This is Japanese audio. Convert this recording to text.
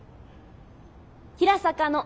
「平坂」の。